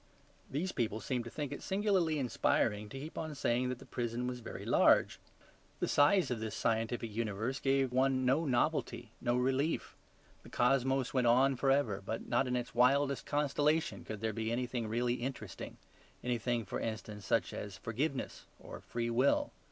These people seemed to think it singularly inspiring to keep on saying that the prison was very large. The size of this scientific universe gave one no novelty, no relief. The cosmos went on for ever, but not in its wildest constellation could there be anything really interesting; anything, for instance, such as forgiveness or free will.